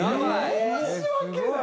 申し訳ない。